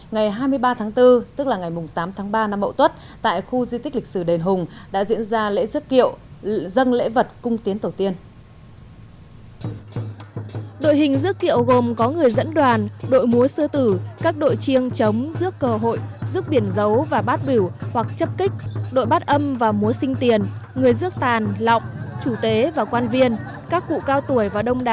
ngày hai mươi ba tháng bốn tức là ngày tám tháng ba năm mậu tuất tại khu di tích lịch sử đền hùng đã diễn ra lễ rước kiệu dân lễ vật cung tiến tổ tiên